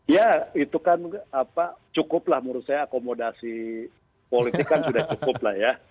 ya itu kan cukup lah menurut saya akomodasi politik kan sudah cukup lah ya